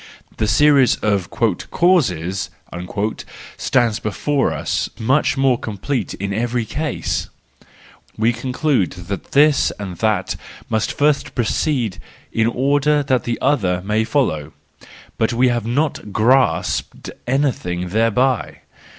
The series of " causes " stands before us much more complete in every case ; we conclude that this and that must first precede in order that that other may follow—but we have not grasped anything thereby.